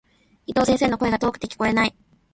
伊藤先生の、声が遠くて聞こえない。